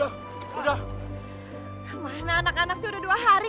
kemana anak anak tuh udah dua hari